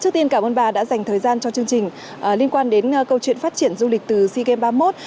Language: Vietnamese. trước tiên cảm ơn bà đã dành thời gian cho chương trình liên quan đến câu chuyện phát triển du lịch từ sea games ba mươi một